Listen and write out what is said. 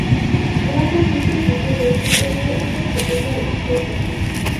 গুহাটা নিচের দিকে রয়েছে, তবুও উপর থেকে জল আসতেই থাকবে।